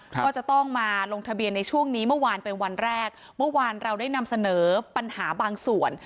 ก็จะต้องมาลงทะเบียนในช่วงนี้เมื่อวานเป็นวันแรกเมื่อวานเราได้นำเสนอปัญหาบางส่วน